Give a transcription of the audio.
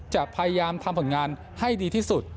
จะพยายามทำผลงานให้ดีที่สุด